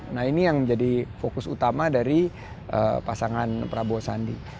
nah ini yang menjadi fokus utama dari pasangan prabowo sandi